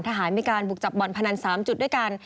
ทหารมีการบุกจับบ่อนพนัน๓จุดด้วยกัน